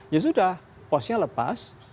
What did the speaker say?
ya sudah pos nya lepas